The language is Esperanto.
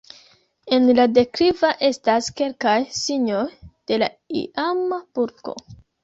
En la dekliva estas kelkaj signoj de la iama burgo.